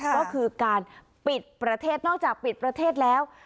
ก็คือการปิดประเทศนอกจากปิดประเทศแล้ว